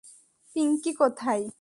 পিঙ্কি, কোথায়?